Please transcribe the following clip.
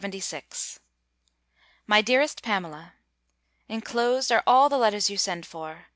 LETTER LXXVI My dearest Pamela, Inclosed are all the letters you send for.